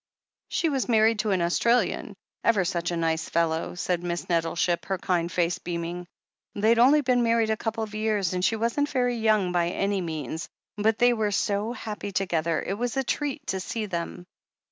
"She was married to an Australian. Ever such a nice fellow," said Miss Nettleship, her kind face beam ing. "They'd only been married a couple of years, and she wasn't very young by any means, but they were so happy together it was a treat to see them.